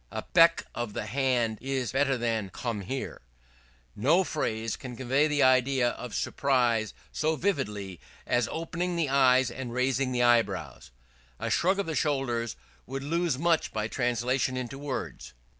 A beck of the hand is better than, "Come here." No phrase can convey the idea of surprise so vividly as opening the eyes and raising the eyebrows. A shrug of the shoulders would lose much by translation into words.